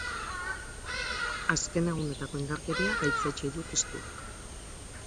Azken egunetako indarkeria gaitzetsi du testuak.